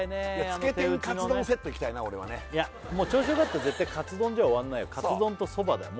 つけ天・カツ丼セットいきたいな俺はねもう調子良かったら絶対カツ丼じゃ終わんないよカツ丼とそばだよ